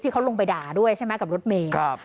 ที่เค้าลงไปด่าด้วยใช่ไหมกับรถเมครับ